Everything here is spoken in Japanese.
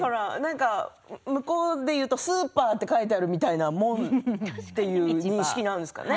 向こうでいうとスーパーって書いてあるものという認識なんですかね。